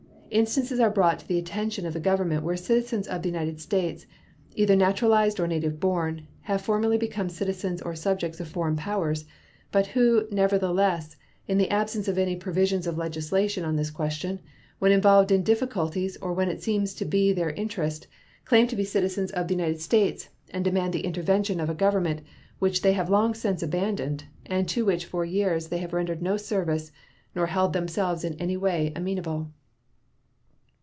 Instances are brought to the attention of the Government where citizens of the United States, either naturalized or native born, have formally become citizens or subjects of foreign powers, but who, nevertheless, in the absence of any provisions of legislation on this question, when involved in difficulties or when it seems to be their interest, claim to be citizens of the United States and demand the intervention of a Government which they have long since abandoned and to which for years they have rendered no service nor held themselves in any way amenable.